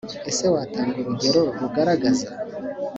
ese watanga urugero rugaragaza.